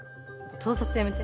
盗撮やめて。